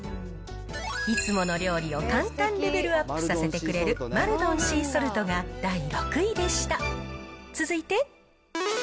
いつもの料理を簡単レベルアップさせてくれる、マルドンシーソルトが第６位でした。